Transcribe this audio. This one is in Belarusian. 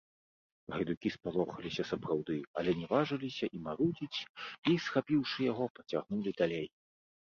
Гайдукі спалохаліся сапраўды, але не важыліся і марудзіць і, схапіўшы яго, пацягнулі далей.